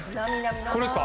これですか？